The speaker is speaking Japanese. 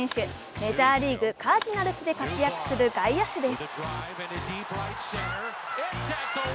メジャーリーグ、カージナルスで活躍する外野手です。